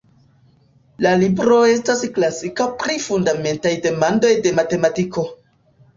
La libro estas klasika pri fundamentaj demandoj de matematiko.